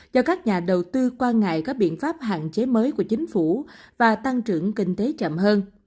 do các nhà đầu tư quan ngại các biện pháp hạn chế mới của chính phủ và tăng trưởng kinh tế chậm hơn